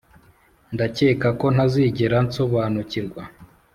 ndakeka ko ntazigera nsobanukirwa,